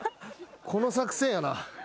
この作戦やな。